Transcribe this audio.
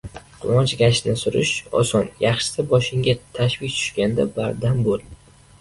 Quvonch gashtini surish oson, yaxshisi, boshingga tashvish tush-ganda bardam bo‘l!